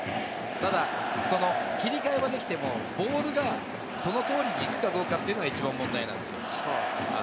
でも切り替えをできても、ボールがその通りにいくかどうかというのが一番大きな問題です。